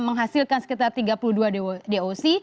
menghasilkan sekitar tiga puluh dua doc